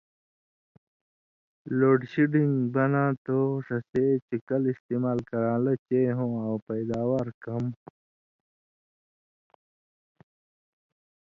لوڈ شیڈِن٘گ بناں تھو ݜسے چے کلہۡ استعمال کران٘لہ چئ ہوں آں پَیداوار کم